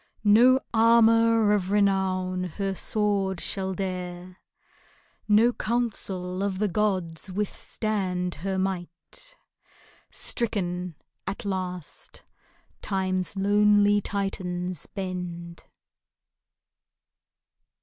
No armor of renown her sword shall dare, No council of the gods withstand her might : Stricken at last Time's lonely Titans bend.